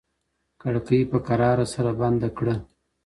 کړکۍ په کراره سره بنده کړه.